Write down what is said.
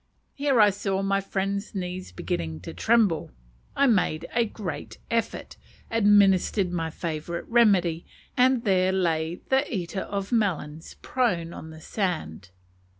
Here I saw my friend's knees beginning to tremble. I made a great effort, administered my favourite remedy, and there lay the "Eater of Melons" prone upon the sand.